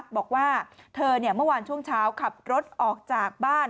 บอกว่าเธอเมื่อวานช่วงเช้าขับรถออกจากบ้าน